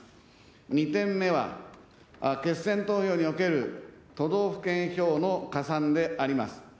２点目は、決選投票における都道府県票の加算であります。